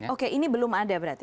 oke ini belum ada berarti